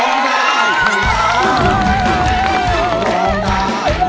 ร้องได้ร้องได้ร้องได้